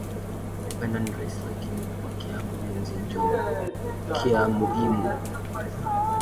Kupenda ni rahisi lakini kubakia mumapenzi njo kya muimu